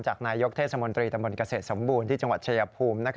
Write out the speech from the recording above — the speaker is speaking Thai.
นายกเทศมนตรีตำบลเกษตรสมบูรณ์ที่จังหวัดชายภูมิ